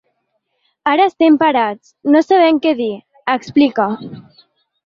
Ara estem parats, no sabem què dir, explica.